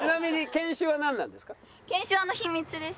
犬種は秘密です。